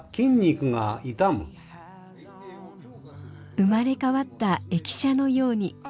生まれ変わった駅舎のように。